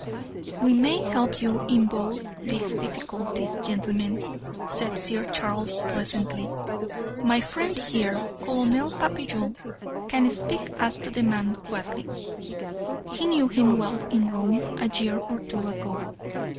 "We may help you in both these difficulties, gentlemen," said Sir Charles, pleasantly. "My friend here, Colonel Papillon, can speak as to the man Quadling. He knew him well in Rome, a year or two ago."